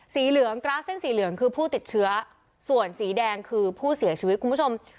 สีเหลืองกราฟเส้นสีเหลืองคือผู้ติดเชื้อส่วนสีแดงคือผู้เสียชีวิตคุณผู้ชม